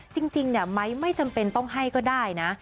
จริงไม้ไม่จำเป็นต้องให้ก็ได้นะ